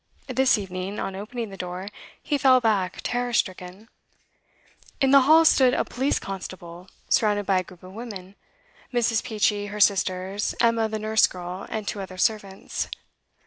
This evening, on opening the door, he fell back terror stricken. In the hall stood a police constable, surrounded by a group of women: Mrs. Peachey, her sisters, Emma the nurse girl, and two other servants.